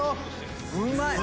うまい！